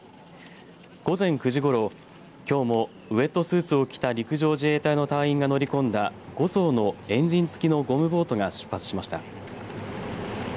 午前９時ごろきょうもウエットスーツを着た陸上自衛隊の隊員が乗り込んだ５そうのエンジン付きのゴムボートが出発しました。